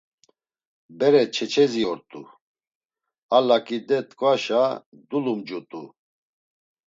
Bere çeçezi ort̆u, a laǩide t̆ǩvaşa dulumcut̆u.